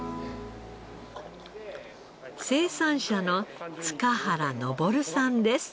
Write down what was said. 生産者の塚原昇さんです。